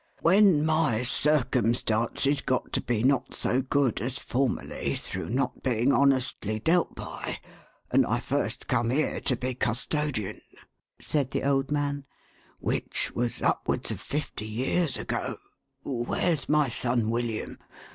"When my circumstances got to be not so good as 430 THE HAUNTED MAN. formerly, through not being honestly dealt by, and I first come here to be custodian,1' said the old man, "— which was upwards of fifty years ago — where's my son William